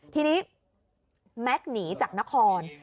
ทีนี้แม็กซ์หนีจากนคร